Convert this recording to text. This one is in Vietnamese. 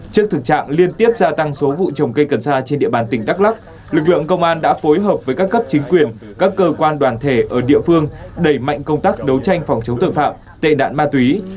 trước thực trạng liên tiếp gia tăng số vụ trồng cây cần sa trên địa bàn tỉnh đắk lắc lực lượng công an đã phối hợp với các cấp chính quyền các cơ quan đoàn thể ở địa phương đẩy mạnh công tác đấu tranh phòng chống tội phạm tệ nạn ma túy